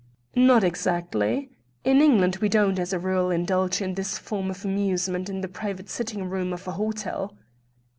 "Not exactly. In England we don't, as a rule, indulge in this form of amusement in the private sitting room of an hotel."